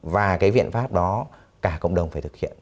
và cái biện pháp đó cả cộng đồng phải thực hiện